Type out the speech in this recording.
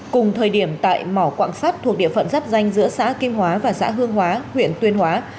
cùng thời điểm tại mỏ quạng sắt thuộc địa phận giáp danh giữa xã kim hóa và xã hương hóa huyện tuyên hóa